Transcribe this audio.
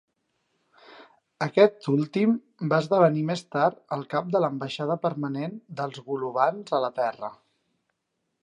Aquest últim va esdevenir més tard el cap de l'ambaixada permanent dels golovans a la Terra.